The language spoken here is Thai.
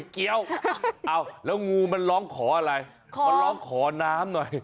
เกี๊ยวแล้วงูมันร้องขออะไรขอน้ำหน่อยขอน้ำ